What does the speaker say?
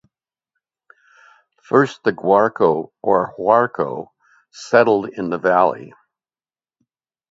First, the Guarco, or Huarco, settled in the valley.